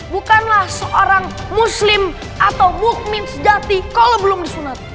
bukanlah seorang muslim atau mukmin sejati kalau belum disunat